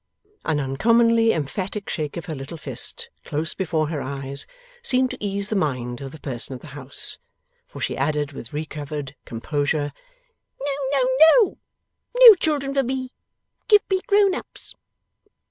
An uncommonly emphatic shake of her little fist close before her eyes, seemed to ease the mind of the person of the house; for she added with recovered composure, 'No, no, no. No children for me. Give me grown ups.